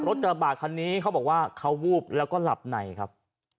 กระบาดคันนี้เขาบอกว่าเขาวูบแล้วก็หลับในครับ